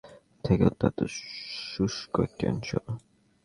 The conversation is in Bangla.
অঞ্চলটি ছিল ভৌগোলিক দিক থেকে অত্যন্ত শুষ্ক একটি অঞ্চল।